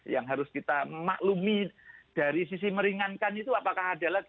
yang harus kita maklumi dari sisi meringankan itu apakah ada lagi